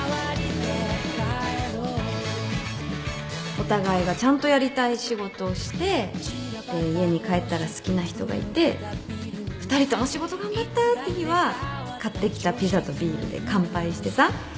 お互いがちゃんとやりたい仕事をしてで家に帰ったら好きな人がいて２人とも仕事頑張ったって日は買ってきたピザとビールで乾杯してさ